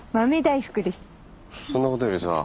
そんなことよりさ。